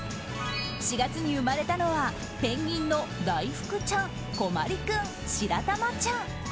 ４月に生まれたのはペンギンのだいふくちゃんこまり君、しらたまちゃん。